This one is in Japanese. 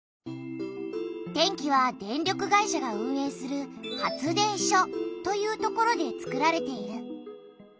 電気は電力会社が運営する発電所という所でつくられている。